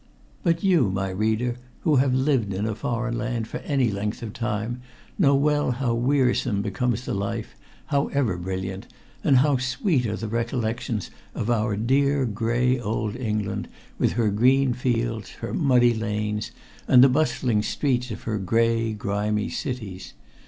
But you, my reader, who have lived in a foreign land for any length of time, know well how wearisome becomes the life, however brilliant, and how sweet are the recollections of our dear gray old England with her green fields, her muddy lanes, and the bustling streets of her gray, grimy cities.